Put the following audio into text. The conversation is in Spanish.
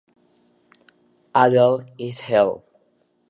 Adl "et al.